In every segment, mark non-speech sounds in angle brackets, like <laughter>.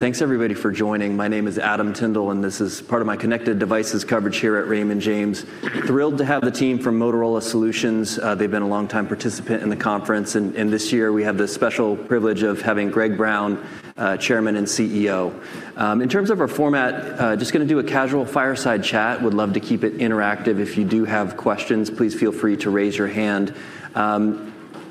Thanks everybody for joining. My name is Adam Tindall, this is part of my connected devices coverage here at Raymond James. Thrilled to have the team from Motorola Solutions. They've been a long-time participant in the conference, and this year we have the special privilege of having Greg Brown, chairman and CEO. In terms of our format, just gonna do a casual fireside chat. Would love to keep it interactive. If you do have questions, please feel free to raise your hand.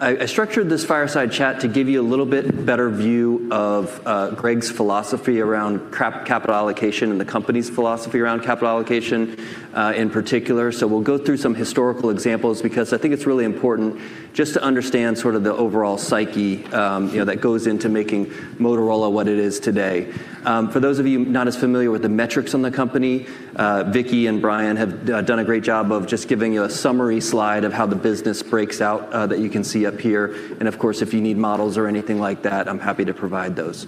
I structured this fireside chat to give you a little bit better view of Greg's philosophy around capital allocation and the company's philosophy around capital allocation in particular. We'll go through some historical examples because I think it's really important just to understand sort of the overall psyche, you know, that goes into making Motorola what it is today. For those of you not as familiar with the metrics on the company, Vicki and Brian have done a great job of just giving you a summary slide of how the business breaks out that you can see up here. Of course, if you need models or anything like that, I'm happy to provide those.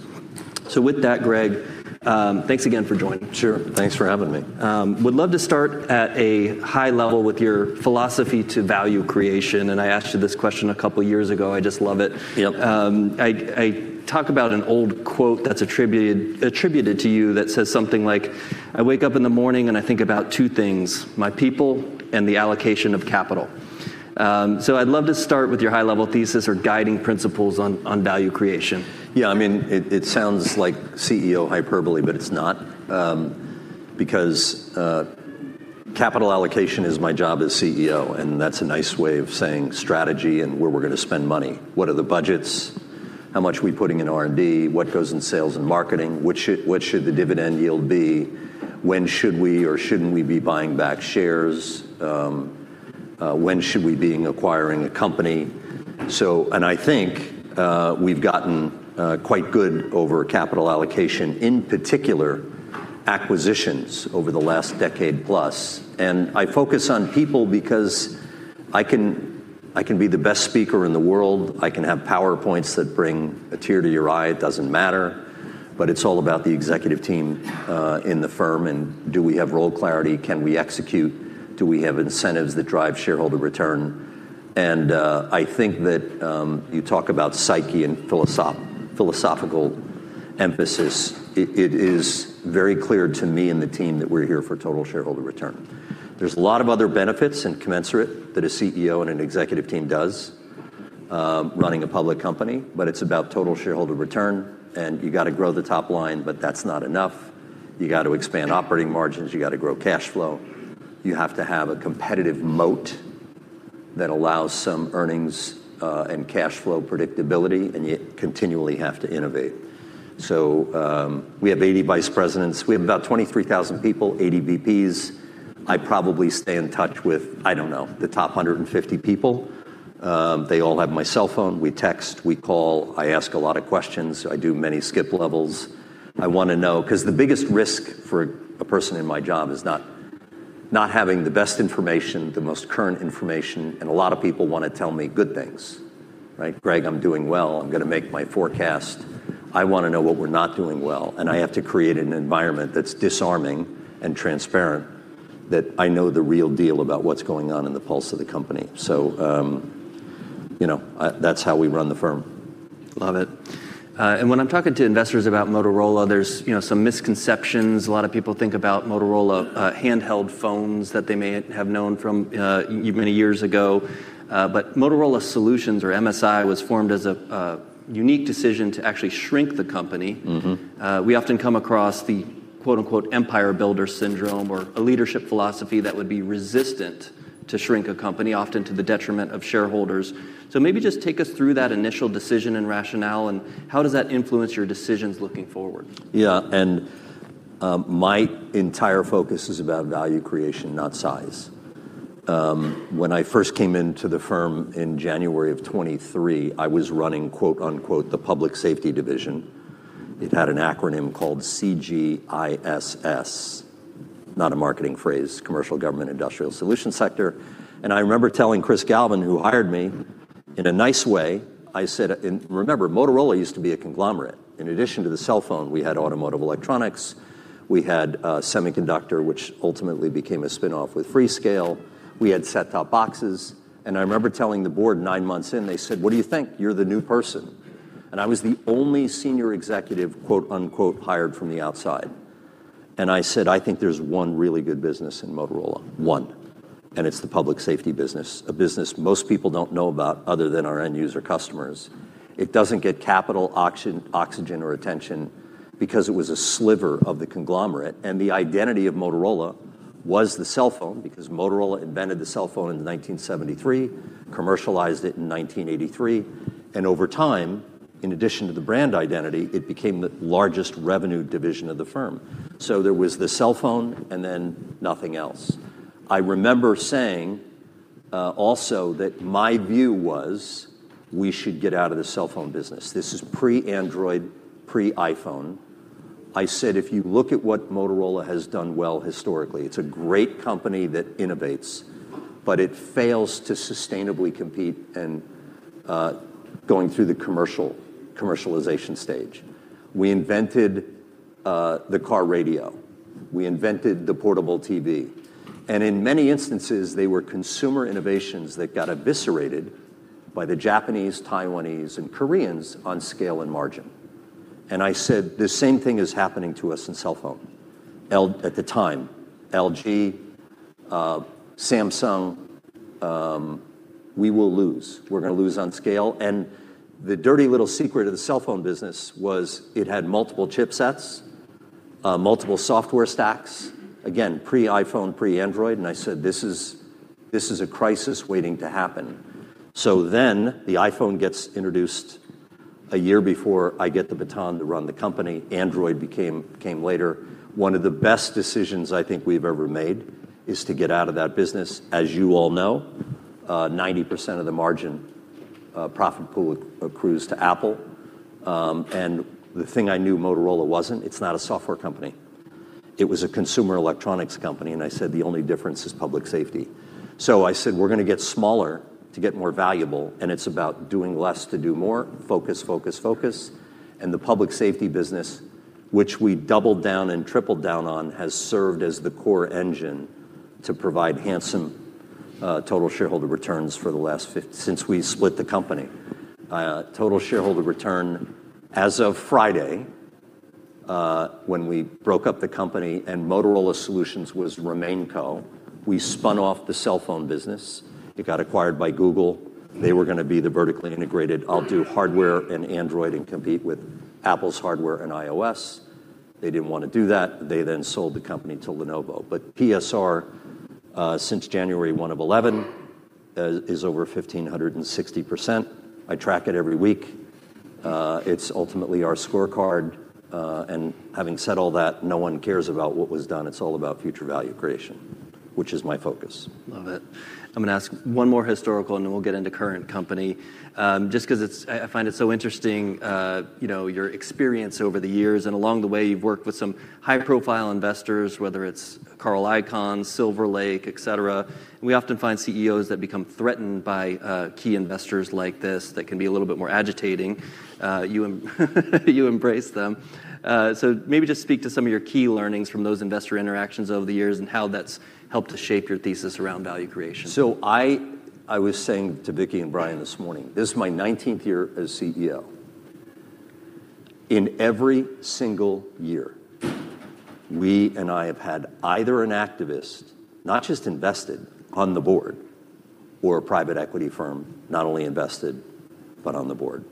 With that, Greg, thanks again for joining. Sure. Thanks for having me. Would love to start at a high level with your philosophy to value creation. I asked you this question a couple years ago. I just love it. Yep. I talk about an old quote that's attributed to you that says something like, "I wake up in the morning, and I think about two things: my people and the allocation of capital." I'd love to start with your high level thesis or guiding principles on value creation. Yeah, I mean, it sounds like CEO hyperbole, but it's not. Because capital allocation is my job as CEO, and that's a nice way of saying strategy and where we're gonna spend money. What are the budgets? How much are we putting in R&D? What goes in sales and marketing? What should the dividend yield be? When should we or shouldn't we be buying back shares? When should we be acquiring a company? I think we've gotten quite good over capital allocation, in particular acquisitions over the last decade plus. I focus on people because I can be the best speaker in the world. I can have PowerPoints that bring a tear to your eye. It doesn't matter. It's all about the executive team in the firm, and do we have role clarity? Can we execute? Do we have incentives that drive shareholder return? I think that you talk about psyche and philosophical emphasis. It is very clear to me and the team that we're here for total shareholder return. There's a lot of other benefits and commensurate that a CEO and an executive team does, running a public company, but it's about total shareholder return. You gotta grow the top line, but that's not enough. You gotta expand operating margins. You gotta grow cash flow. You have to have a competitive moat that allows some earnings and cash flow predictability, and you continually have to innovate. We have 80 vice presidents. We have about 23,000 people, 80 VPs. I probably stay in touch with, I don't know, the top 150 people. They all have my cell phone. We text, we call, I ask a lot of questions. I do many skip levels. I wanna know 'cause the biggest risk for a person in my job is not having the best information, the most current information, and a lot of people wanna tell me good things, right? "Greg, I'm doing well. I'm gonna make my forecast." I wanna know what we're not doing well, and I have to create an environment that's disarming and transparent, that I know the real deal about what's going on in the pulse of the company. you know, that's how we run the firm. Love it. When I'm talking to investors about Motorola, there's, you know, some misconceptions. A lot of people think about Motorola handheld phones that they may have known from many years ago. Motorola Solutions, or MSI, was formed as a unique decision to actually shrink the company. Mm-hmm. We often come across the, quote-unquote, "Empire builder syndrome" or a leadership philosophy that would be resistant to shrink a company, often to the detriment of shareholders. Maybe just take us through that initial decision and rationale, and how does that influence your decisions looking forward? Yeah. my entire focus is about value creation, not size. When I first came into the firm in January of 2023, I was running, quote-unquote, "the Public Safety division." It had an acronym called CGISS. Not a marketing phrase, Commercial, Government and Industrial Solutions Sector. I remember telling Chris Galvin, who hired me, in a nice way, I said. And remember, Motorola used to be a conglomerate. In addition to the cell phone, we had automotive electronics. We had semiconductor, which ultimately became a spin-off with Freescale. We had set-top boxes. I remember telling the board 9 months in, they said, "What do you think? You're the new person." I was the only senior executive, quote-unquote, "hired from the outside." I said, "I think there's one really good business in Motorola. One. It's the public safety business", a business most people don't know about other than our end user customers. It doesn't get capital, oxygen, or attention because it was a sliver of the conglomerate. The identity of Motorola was the cell phone because Motorola invented the cell phone in 1973, commercialized it in 1983, and over time, in addition to the brand identity, it became the largest revenue division of the firm. There was the cell phone and then nothing else. I remember saying also that my view was we should get out of the cell phone business. This is pre-Android, pre-iPhone. I said, "If you look at what Motorola has done well historically, it's a great company that innovates, but it fails to sustainably compete in going through the commercialization stage." We invented the car radio. We invented the portable TV. In many instances, they were consumer innovations that got eviscerated by the Japanese, Taiwanese, and Koreans on scale and margin. I said, "The same thing is happening to us in cellphone." At the time, LG, Samsung, we will lose. We're gonna lose on scale. The dirty little secret of the cellphone business was it had multiple chipsets, multiple software stacks. Again, pre-iPhone, pre-Android, I said, "This is a crisis waiting to happen." The iPhone gets introduced a year before I get the baton to run the company. Android came later. One of the best decisions I think we've ever made is to get out of that business. As you all know, 90% of the margin profit pool accrues to Apple. The thing I knew Motorola wasn't, it's not a software company. It was a consumer electronics company, and I said, "The only difference is public safety." I said, "We're gonna get smaller to get more valuable, and it's about doing less to do more. Focus, focus." The public safety business, which we doubled down and tripled down on, has served as the core engine to provide handsome total shareholder returns for the last since we split the company. Total shareholder return as of Friday, when we broke up the company and Motorola Solutions was RemainCo, we spun off the cellphone business. It got acquired by Google. They were gonna be the vertically integrated, "I'll do hardware and Android and compete with Apple's hardware and iOS." They didn't wanna do that. They then sold the company to Lenovo. TSR since January 1 of 2011 is over 1,560%. I track it every week. It's ultimately our scorecard. Having said all that, no one cares about what was done. It's all about future value creation, which is my focus. Love it. I'm gonna ask one more historical, and then we'll get into current company. Just 'cause it's I find it so interesting, you know, your experience over the years, along the way you've worked with some high-profile investors, whether it's Carl Icahn, Silver Lake, et cetera. We often find CEOs that become threatened by key investors like this that can be a little bit more agitating. You embrace them. Maybe just speak to some of your key learnings from those investor interactions over the years and how that's helped to shape your thesis around value creation. I was saying to Vicki and Brian this morning, this is my 19th year as CEO. In every single year, we and I have had either an activist, not just invested on the board, or a private equity firm not only invested, but on the board.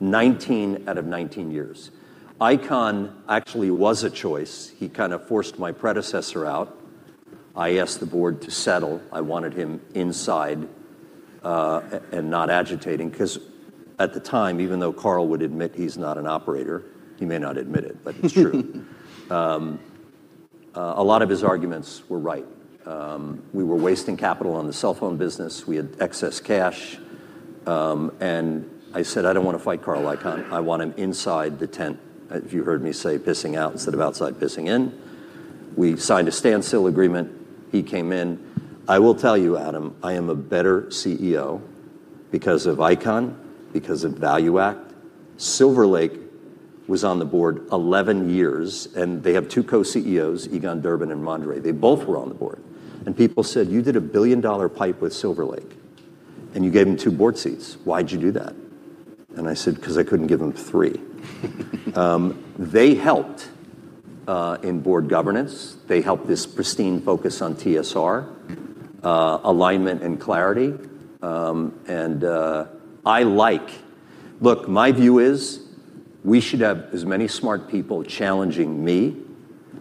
19 out of 19 years. Icahn actually was a choice. He kind of forced my predecessor out. I asked the board to settle. I wanted him inside, and not agitating, 'cause at the time, even though Carl would admit he's not an operator, he may not admit it, but it's true. A lot of his arguments were right. We were wasting capital on the cellphone business. We had excess cash. I said, "I don't wanna fight Carl Icahn. I want him inside the tent." If you heard me say pissing out instead of outside pissing in. We signed a standstill agreement. He came in. I will tell you, Adam, I am a better CEO because of Icahn, because of ValueAct. Silver Lake was on the board 11 years, and they have two co-CEOs, Egon Durban and Greg Mondre. They both were on the board. People said, "You did a billion-dollar pipe with Silver Lake, and you gave them two board seats. Why'd you do that?" I said, " 'Cause I couldn't give them three." They helped in board governance. They helped this pristine focus on TSR, alignment and clarity. Look, my view is we should have as many smart people challenging me,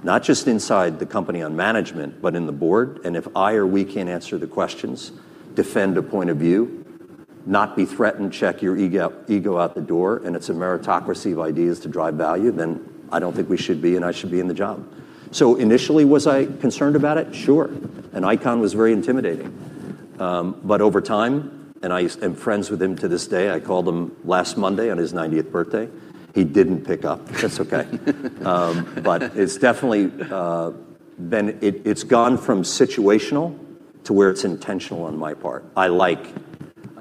not just inside the company on management, but in the board. If I or we can't answer the questions, defend a point of view, not be threatened, check your ego out the door, it's a meritocracy of ideas to drive value, then I don't think we should be and I should be in the job. Initially, was I concerned about it? Sure. Icahn was very intimidating. Over time, and I am friends with him to this day, I called him last Monday on his 90th birthday. He didn't pick up. That's okay. It's definitely been. It's gone from situational to where it's intentional on my part. I like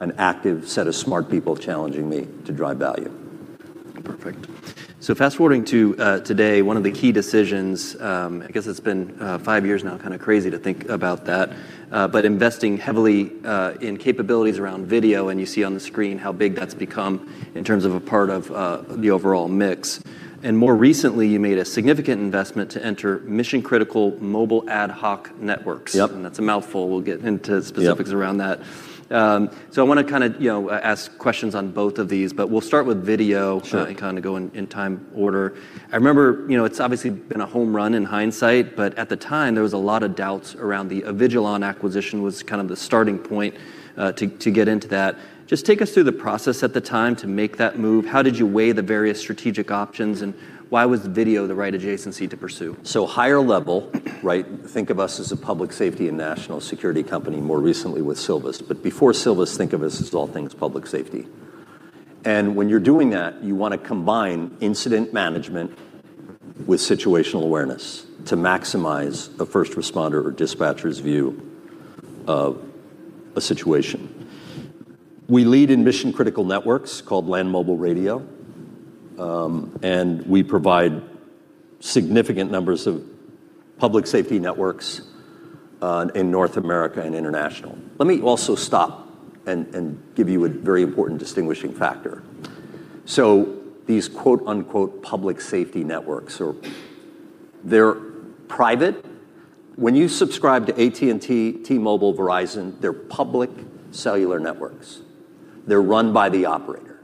an active set of smart people challenging me to drive value. Perfect. Fast-forwarding to today, one of the key decisions, I guess it's been five years now, kinda crazy to think about that, but investing heavily in capabilities around video, and you see on the screen how big that's become in terms of a part of the overall mix. More recently, you made a significant investment to enter mission-critical mobile ad hoc networks. Yep. That's a mouthful. We'll get into specifics around that. Yep. I wanna kinda, you know, ask questions on both of these, but we'll start with video- Sure And kinda go in time order. I remember, you know, it's obviously been a home run in hindsight, but at the time, there was a lot of doubts around the Avigilon acquisition was kind of the starting point to get into that. Just take us through the process at the time to make that move. How did you weigh the various strategic options, and why was video the right adjacency to pursue? Higher level, right? Think of us as a public safety and national security company more recently with Silvus. Before Silvus, think of us as all things public safety. When you're doing that, you wanna combine incident management with situational awareness to maximize a first responder or dispatcher's view of a situation. We lead in mission-critical networks called Land Mobile Radio, and we provide significant numbers of public safety networks in North America and international. Let me also stop and give you a very important distinguishing factor. These, quote-unquote, public safety networks are. They're private. When you subscribe to AT&T, T-Mobile, Verizon, they're public cellular networks. They're run by the operator.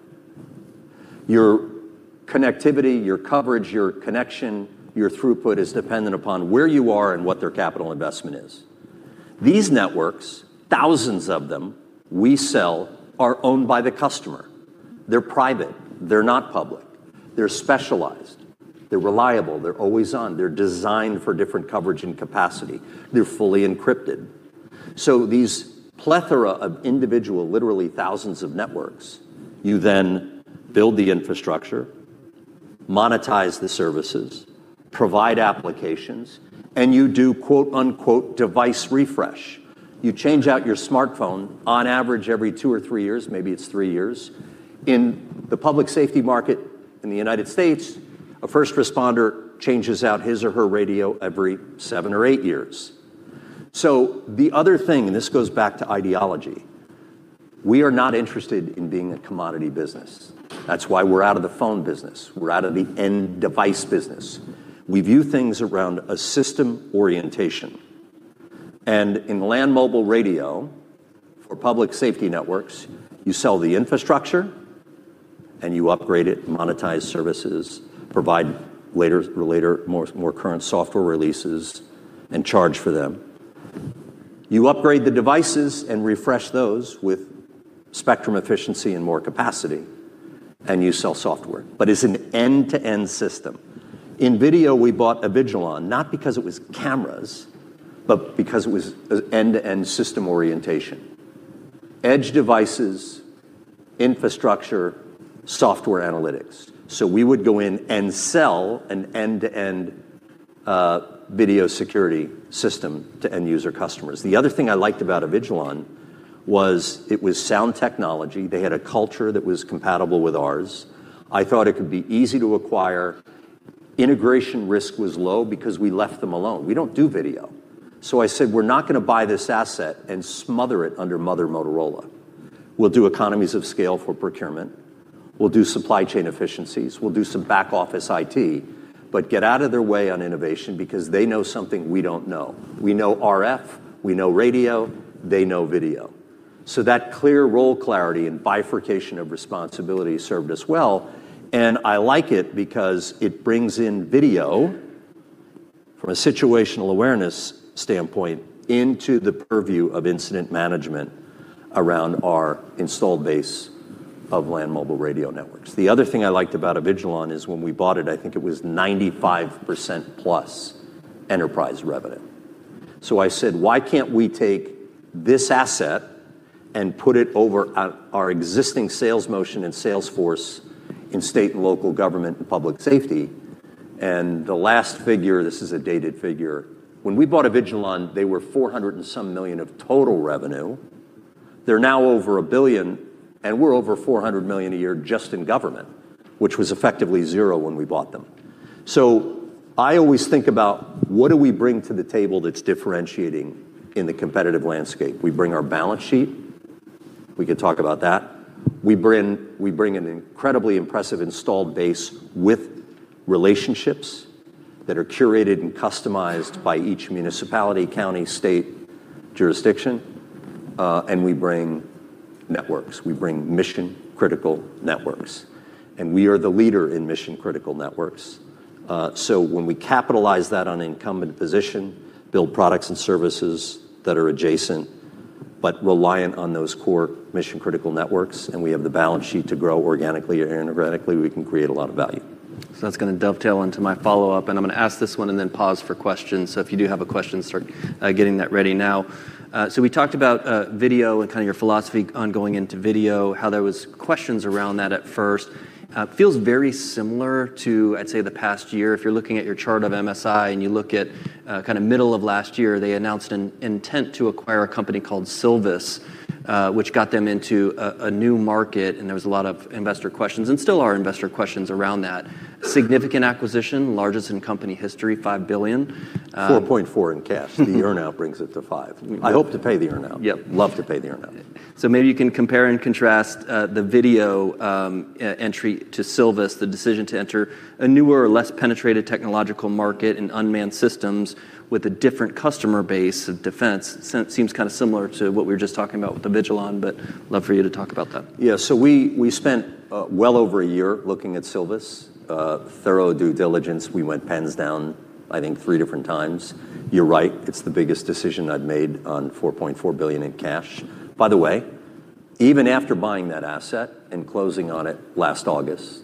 Your connectivity, your coverage, your connection, your throughput is dependent upon where you are and what their capital investment is. These networks, thousands of them, we sell, are owned by the customer. They're private. They're not public. They're specialized. They're reliable. They're always on. They're designed for different coverage and capacity. They're fully encrypted. These plethora of individual, literally thousands of networks, you then build the infrastructure, monetize the services, provide applications, and you do, quote-unquote, device refresh. You change out your smartphone on average every two or three years, maybe it's three years. In the public safety market in the United States, a first responder changes out his or her radio every seven or eight years. The other thing, and this goes back to ideology, we are not interested in being a commodity business. That's why we're out of the phone business. We're out of the end device business. We view things around a system orientation. In Land Mobile Radio for public safety networks, you sell the infrastructure and you upgrade it, monetize services, provide later more current software releases and charge for them. You upgrade the devices and refresh those with spectrum efficiency and more capacity, and you sell software. It's an end-to-end system. In video, we bought Avigilon not because it was cameras, but because it was an end-to-end system orientation. Edge devices, infrastructure, software analytics. We would go in and sell an end-to-end video security system to end user customers. The other thing I liked about Avigilon was it was sound technology. They had a culture that was compatible with ours. I thought it could be easy to acquire. Integration risk was low because we left them alone. We don't do video. I said, "We're not gonna buy this asset and smother it under Mother Motorola. We'll do economies of scale for procurement. We'll do supply chain efficiencies. We'll do some back office IT, but get out of their way on innovation because they know something we don't know. We know RF, we know radio, they know video. That clear role clarity and bifurcation of responsibility served us well, and I like it because it brings in video from a situational awareness standpoint into the purview of incident management around our installed base of land mobile radio networks. The other thing I liked about Avigilon is when we bought it, I think it was 95%+ enterprise revenue. I said, "Why can't we take this asset and put it over our existing sales motion and sales force in state and local government and public safety?" The last figure, this is a dated figure, when we bought Avigilon, they were $400 and some million of total revenue. They're now over $1 billion, and we're over $400 million a year just in government, which was effectively zero when we bought them. I always think about what do we bring to the table that's differentiating in the competitive landscape? We bring our balance sheet. We can talk about that. We bring an incredibly impressive installed base with relationships that are curated and customized by each municipality, county, state jurisdiction, and we bring networks. We bring mission critical networks, and we are the leader in mission critical networks. When we capitalize that on incumbent position, build products and services that are adjacent but reliant on those core mission critical networks, and we have the balance sheet to grow organically or inorganically, we can create a lot of value. That's gonna dovetail into my follow-up, and I'm gonna ask this one and then pause for questions. If you do have a question, start getting that ready now. We talked about video and kinda your philosophy on going into video, how there was questions around that at first. Feels very similar to, I'd say, the past year. If you're looking at your chart of MSI and you look at kinda middle of last year, they announced an intent to acquire a company called Silvus, which got them into a new market, and there was a lot of investor questions and still are investor questions around that. Significant acquisition, largest in company history, $5 billion. $4.4 in cash. The earnout brings it to $5. I hope to pay the earnout. <crosstalk> Yep. Love to pay the earnout. Maybe you can compare and contrast the video, e-entry to Silvus, the decision to enter a newer, less penetrated technological market in unmanned systems with a different customer base of defense. Seems kinda similar to what we were just talking about with Avigilon, but love for you to talk about that? Yeah. We spent well over a year looking at Silvus, thorough due diligence. We went pens down, I think, three different times. You're right, it's the biggest decision I've made on $4.4 billion in cash. By the way, even after buying that asset and closing on it last August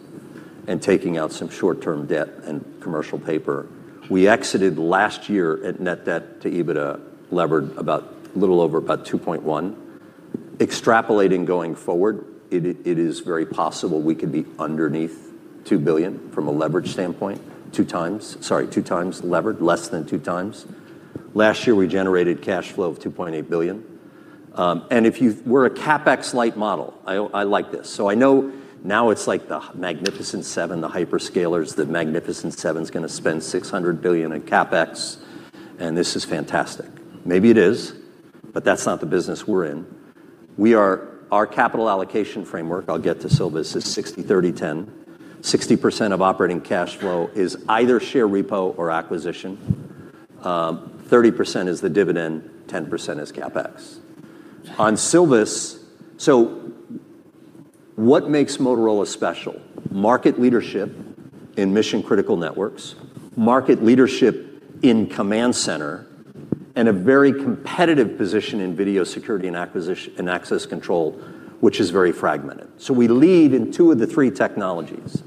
and taking out some short-term debt and commercial paper, we exited last year at net debt to EBITDA levered about little over about 2.1. Extrapolating going forward, it is very possible we could be underneath $2 billion from a leverage standpoint, two times levered, less than 2x. Last year, we generated cash flow of $2.8 billion. If you were a CapEx light model, I like this. I know now it's like the Magnificent Seven, the hyperscalers. The Magnificent Seven's gonna spend $600 billion in CapEx. This is fantastic. Maybe it is. That's not the business we're in. Our capital allocation framework, I'll get to Silver Lake, is 60, 30, 10. 60% of operating cash flow is either share repo or acquisition. 30% is the dividend, 10% is CapEx. What makes Motorola special? Market leadership in mission-critical networks, market leadership in command center, and a very competitive position in video security and access control, which is very fragmented. We lead in two of the three technologies.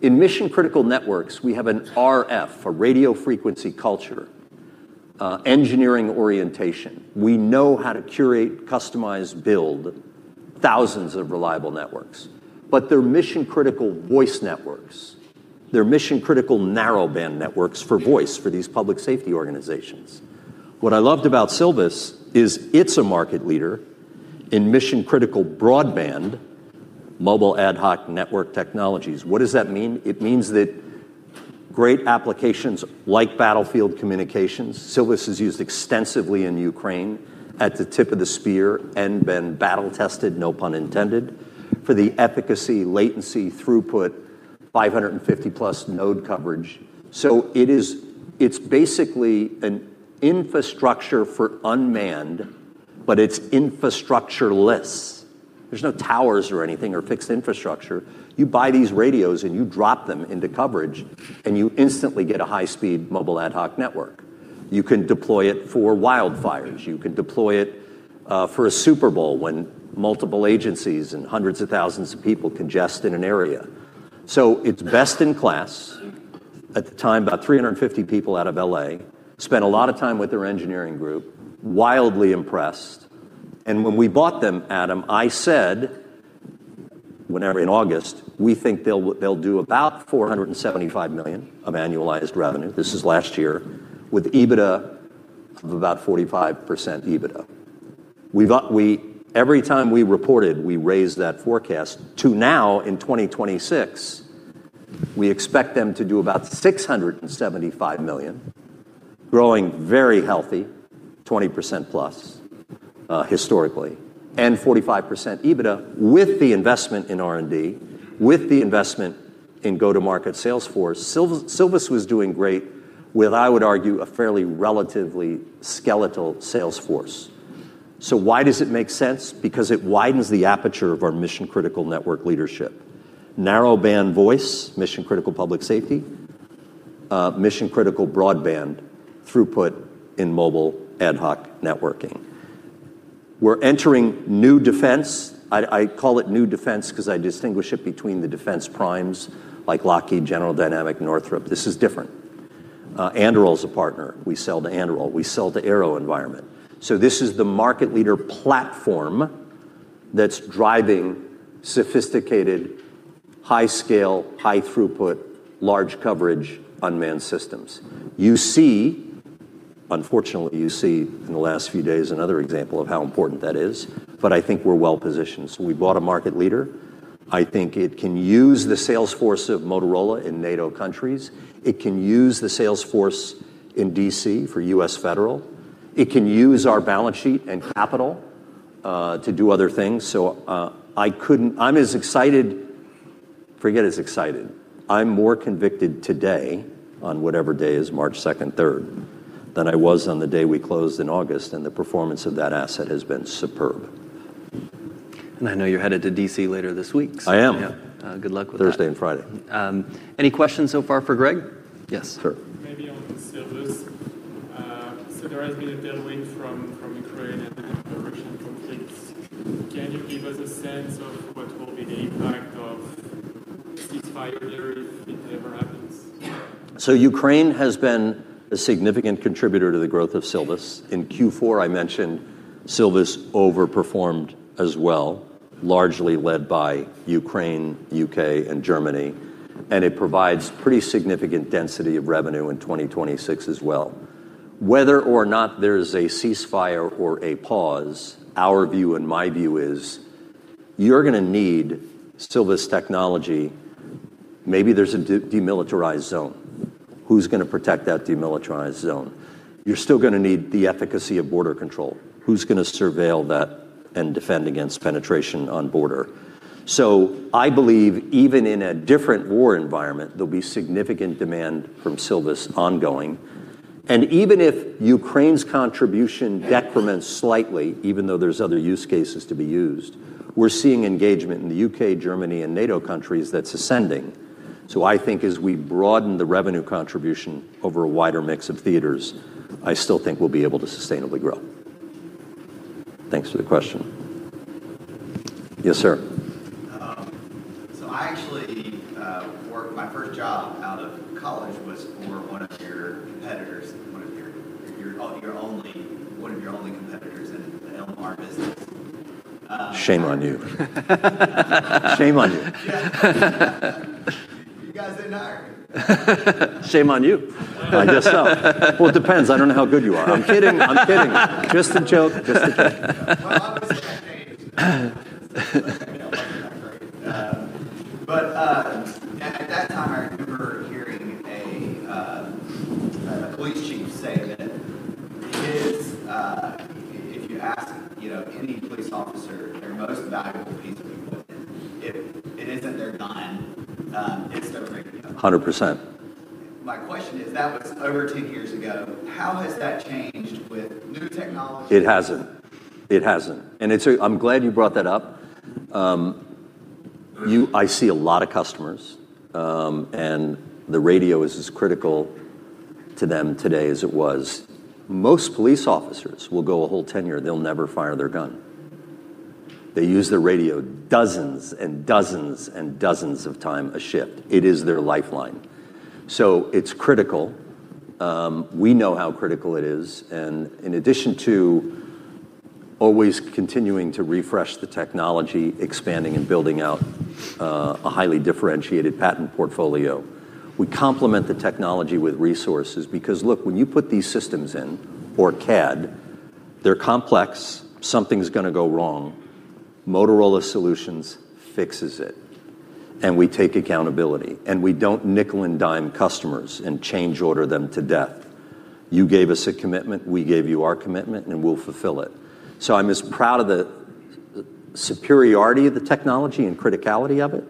In mission-critical networks, we have an RF, a radio frequency culture, engineering orientation. We know how to curate, customize, build thousands of reliable networks. They're mission-critical voice networks. They're mission-critical narrowband networks for voice for these public safety organizations. What I loved about Silvus is it's a market leader in mission-critical broadband mobile ad hoc network technologies. What does that mean? It means that great applications like battlefield communications. Silvus is used extensively in Ukraine at the tip of the spear and been battle-tested, no pun intended, for the efficacy, latency, throughput, 550+ node coverage. It's basically an infrastructure for unmanned, but it's infrastructureless. There's no towers or anything or fixed infrastructure. You buy these radios, and you drop them into coverage, and you instantly get a high-speed mobile ad hoc network. You can deploy it for wildfires. You can deploy it for a Super Bowl when multiple agencies and hundreds of thousands of people congest in an area. It's best in class. At the time, about 350 people out of L.A. spent a lot of time with their engineering group, wildly impressed. When we bought them, Adam, I said, whenever in August, we think they'll do about $475 million of annualized revenue. This is last year. With EBITDA of about 45% EBITDA. We've every time we reported, we raised that forecast to now in 2026, we expect them to do about $675 million, growing very healthy, 20%+ historically, and 45% EBITDA with the investment in R&D, with the investment in go-to-market sales force. Silvus was doing great with, I would argue, a fairly relatively skeletal sales force. Why does it make sense? It widens the aperture of our mission-critical network leadership. Narrowband voice, mission-critical public safety, mission-critical broadband throughput in mobile ad hoc networking. We're entering new defense. I call it new defense 'cause I distinguish it between the defense primes like Lockheed, General Dynamics, Northrop. This is different. Anduril is a partner. We sell to Anduril. We sell to AeroVironment. This is the market leader platform that's driving sophisticated, high scale, high throughput, large coverage unmanned systems. Unfortunately, you see in the last few days another example of how important that is, but I think we're well-positioned. We bought a market leader. I think it can use the sales force of Motorola Solutions in NATO countries. It can use the sales force in D.C. for U.S. Federal. It can use our balance sheet and capital to do other things. Forget as excited. I'm more convicted today on whatever day is March second, third, than I was on the day we closed in August, and the performance of that asset has been superb. I know you're headed to D.C. later this week. I am. Yeah. good luck with that. Thursday and Friday. Any questions so far for Greg? Yes. Sure. Maybe on Silvus. There has been a building from Ukraine and the Russian conflicts. Can you give us a sense of what will be the impact of this fire if it ever happens? Ukraine has been a significant contributor to the growth of Silvus. In Q4, I mentioned Silvus overperformed as well, largely led by Ukraine, U.K., and Germany, and it provides pretty significant density of revenue in 2026 as well. Whether or not there's a ceasefire or a pause, our view and my view is you're gonna need Silvus technology. Maybe there's a demilitarized zone. Who's gonna protect that demilitarized zone? You're still gonna need the efficacy of border control. Who's gonna surveil that and defend against penetration on border? I believe even in a different war environment, there'll be significant demand from Silvus ongoing. Even if Ukraine's contribution decrements slightly, even though there's other use cases to be used, we're seeing engagement in the U.K., Germany, and NATO countries that's ascending. I think as we broaden the revenue contribution over a wider mix of theaters, I still think we'll be able to sustainably grow. Thanks for the question. Yes, sir. I actually my first job out of college was for one of your competitors, one of your only competitors in the LMR business. Shame on you. Shame on you. You guys in on it? Shame on you. I guess so. Well, it depends. I don't know how good you are. I'm kidding. I'm kidding. Just a joke. At that time I remember hearing a police chief say that his, if you ask, you know, any police officer their most valuable piece of equipment, if it isn't their gun, it's their radio. 100%. My question is that was over 10 years ago. How has that changed with new technology? It hasn't. It hasn't. It's a I'm glad you brought that up. I see a lot of customers, and the radio is as critical to them today as it was. Most police officers will go a whole tenure, they'll never fire their gun. They use their radio dozens and dozens and dozens of times a shift. It is their lifeline, so it's critical. We know how critical it is and in addition to always continuing to refresh the technology, expanding and building out, a highly differentiated patent portfolio, we complement the technology with resources. Look, when you put these systems in or CAD, they're complex, something's gonna go wrong. Motorola Solutions fixes it, and we take accountability, and we don't nickel and dime customers and change order them to death. You gave us a commitment, we gave you our commitment, and we'll fulfill it. I'm as proud of the superiority of the technology and criticality of it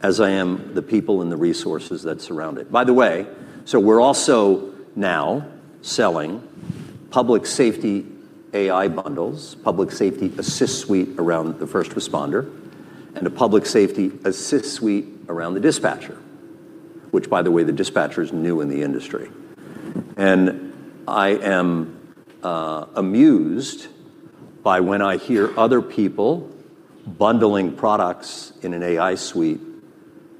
as I am the people and the resources that surround it. We're also now selling public safety AI bundles, Public Safety Assist Suite around the first responder, and a Public Safety Assist Suite around the dispatcher, which the dispatcher's new in the industry. I am amused by when I hear other people bundling products in an AI suite,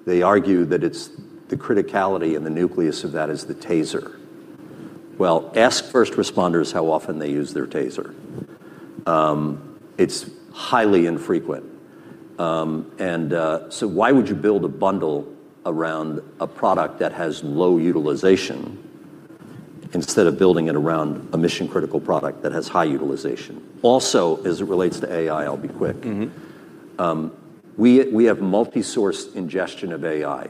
they argue that it's the criticality and the nucleus of that is the TASER. Ask first responders how often they use their TASER. It's highly infrequent. Why would you build a bundle around a product that has low utilization instead of building it around a mission-critical product that has high utilization? Also, as it relates to AI, I'll be quick. Mm-hmm. We have multi-source ingestion of AI.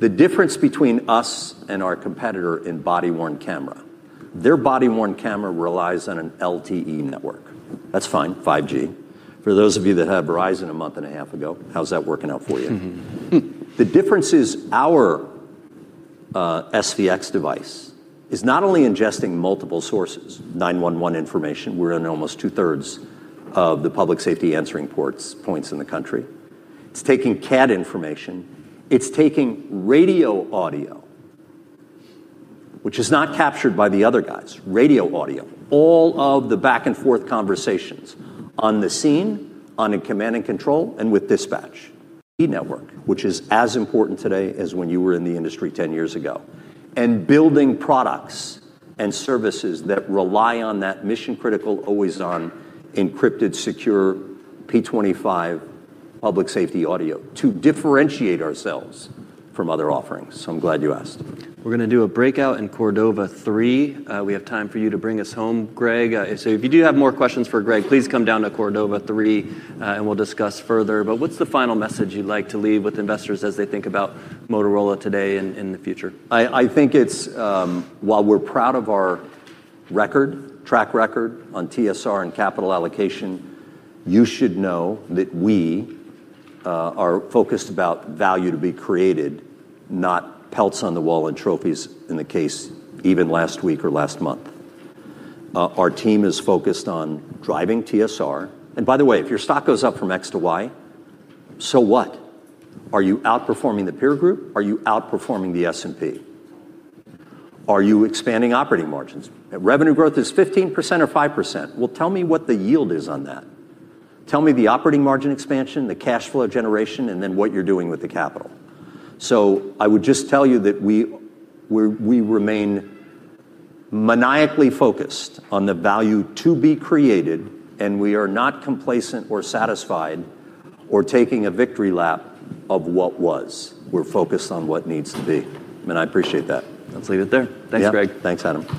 The difference between us and our competitor in body-worn camera, their body-worn camera relies on an LTE network. That's fine, 5G. For those of you that had Verizon a month and a half ago, how's that working out for you? The difference is our SVX device is not only ingesting multiple sources, 911 information, we're in almost 2/3 of the public safety answering points in the country. It's taking CAD information. It's taking radio audio, which is not captured by the other guys. Radio audio. All of the back and forth conversations on the scene, on a command and control, and with dispatch. E-network, which is as important today as when you were in the industry 10 years ago, and building products and services that rely on that mission critical, always on, encrypted, secure, P25 public safety audio to differentiate ourselves from other offerings. I'm glad you asked. We're gonna do a breakout in Cordova 3. We have time for you to bring us home, Greg. If you do have more questions for Greg, please come down to Cordova 3, and we'll discuss further. What's the final message you'd like to leave with investors as they think about Motorola today and in the future? I think it's while we're proud of our record, track record on TSR and capital allocation, you should know that we are focused about value to be created, not pelts on the wall and trophies in the case even last week or last month. Our team is focused on driving TSR. By the way, if your stock goes up from X to Y, so what? Are you outperforming the peer group? Are you outperforming the S&P? Are you expanding operating margins? Revenue growth is 15% or 5%. Well, tell me what the yield is on that. Tell me the operating margin expansion, the cash flow generation, and then what you're doing with the capital. I would just tell you that we remain maniacally focused on the value to be created, and we are not complacent or satisfied or taking a victory lap of what was. We're focused on what needs to be. I appreciate that. Let's leave it there. Yeah. Thanks, Greg. Thanks, Adam.